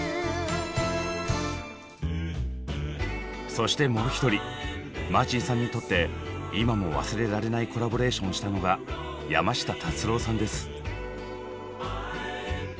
そしてもう一人マーチンさんにとって今も忘れられないコラボレーションをしたのが山下達郎さんです。